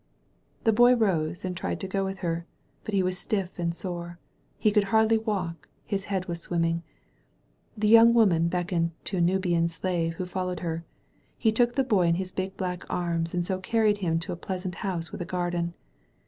The Boy rose and tried to go with her. But he was stiff and sore; he could hardly walk; his head was swimming. The young woman beckoned to a Nubian slave who followed her. He took the Boy in his big black arms and so carried him to a pleasant house with a garden.